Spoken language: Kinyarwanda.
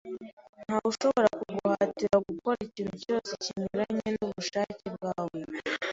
Ntawe ushobora kuguhatira gukora ikintu cyose kinyuranye nubushake bwawe.